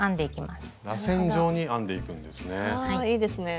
らせん状に編んでいくんですね。